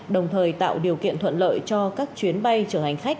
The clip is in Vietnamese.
đồng thời tạo điều kiện thuận lợi cho các chuyến bay chở hành khách